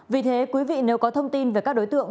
vì thế quý vị nếu có thông tin về các đối tượng